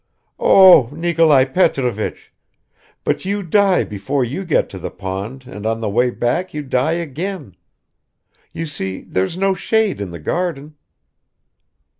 "Oh, Nikolai Petrovich! But you die before you get to the pond and on the way back you die again. You see, there's no shade in the garden."